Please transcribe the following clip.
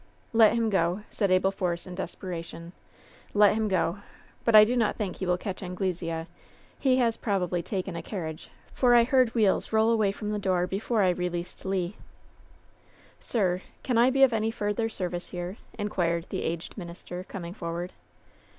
"Let him go !" said Abel Force, in desperation. "Let him go. But I do not think he will catch Anglesea. He has probably taken a carriage, for I heard wheels roll away from the door before I released Le." "Sir, can I be of any further service here ?" inquired the aged minister, coming forward.